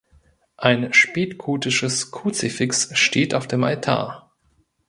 Ein spätgotisches Kruzifix steht auf dem Altar.